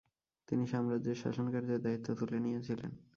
তিনি সাম্রাজ্যের শাসন কার্যের দায়িত্ব তুলে নিয়েছিলেন।